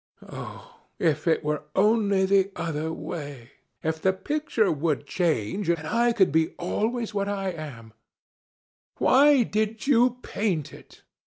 Oh, if it were only the other way! If the picture could change, and I could be always what I am now! Why did you paint it?